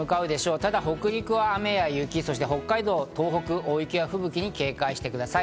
ただ北陸は雨や雪、北海道、東北は大雪や吹雪に警戒してください。